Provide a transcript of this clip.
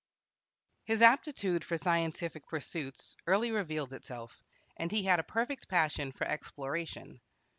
His aptitude for scientific pursuits early revealed itself, and he had a perfect passion for exploration.